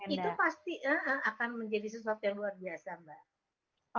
itu pasti akan menjadi sesuatu yang luar biasa mbak